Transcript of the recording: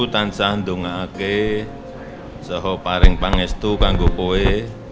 tansah ntunga ake soho paring pangestu kanggukoe